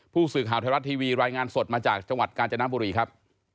ผู้สื่อข่าวไทยรัฐทีวีรายงานสดมาจากจังหวัดกาญจนบุรีครับ